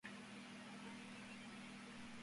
Su autor es Patrick R. Michaud.